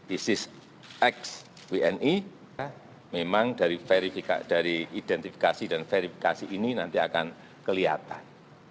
isis x wni memang dari identifikasi dan verifikasi ini nanti akan kelihatan